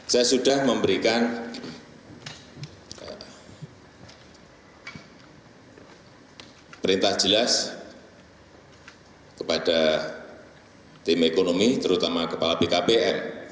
saya sudah memberikan perintah jelas kepada tim ekonomi terutama kepala bkpr